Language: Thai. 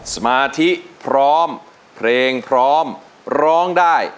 สมาธิพร้อมเพลงพร้อมร้องได้